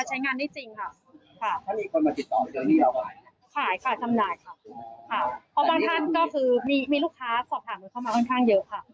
ใช้งานได้จริงค่ะค่ะถ้ามีคนมาติดต่อเจอนี่แล้วไหมขายค่ะ